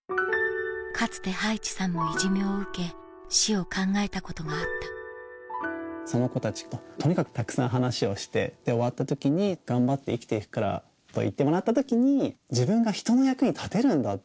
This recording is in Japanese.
かつて葉一さんもいじめを受け死を考えたことがあったその子たちととにかくたくさん話をして終わった時に「頑張って生きて行くから」と言ってもらった時に自分が人の役に立てるんだ。